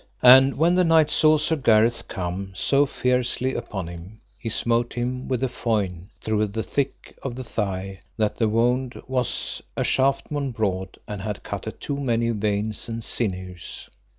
And when the knight saw Sir Gareth come so fiercely upon him, he smote him with a foin through the thick of the thigh that the wound was a shaftmon broad and had cut a two many veins and sinews.